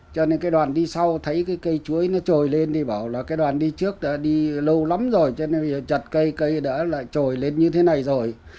cho nên cái đoàn đi sau thấy cái cây chuối nó trồi lên thì bảo là cái đoàn đi trước đã đi lâu lắm rồi cho nên chật cây cây đã lại trồi lên như thế này rồi